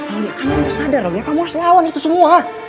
aulia kamu harus sadar kamu harus lawan itu semua